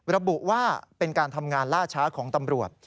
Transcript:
ระบุว่าเป็นการทำงานล่าช้าของตำรวจ